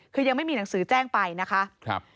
คือยังไม่มีหนังสือแจ้งไปนะคะ